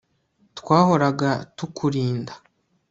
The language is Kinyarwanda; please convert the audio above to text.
Twahoraga tukurinda